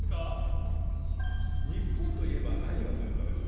日本といえば何を思い浮かべます？